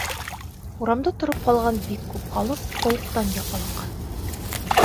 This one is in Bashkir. Урамда тороп ҡалған бик күп халыҡ һыуыҡтан яфаланған.